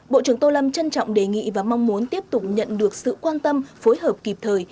bộ trưởng tô lâm trân trọng đề nghị và mong muốn tiếp tục nhận được sự quan tâm phối hợp kịp thời